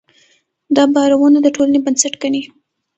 دا باورونه د ټولنې بنسټ ګڼي.